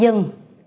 dừng đột nhiên